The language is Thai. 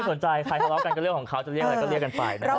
สนใจใครทะเลาะกันก็เรื่องของเขาจะเรียกอะไรก็เรียกกันไปนะครับ